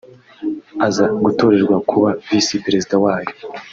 aza gutorerwa kuba Visi Perezida wayo